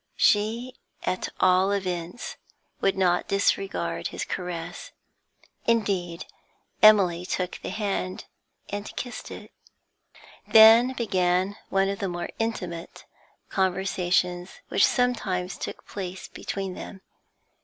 She, at all events, would not disregard his caress; indeed, Emily took the hand and kissed it. Then began one of the more intimate conversations which sometimes took place between them.